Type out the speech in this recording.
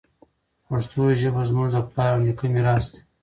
پښتو ژبه زموږ د پلار او نیکه میراث دی.